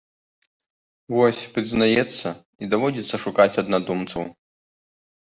Вось, прызнаецца, і даводзіцца шукаць аднадумцаў.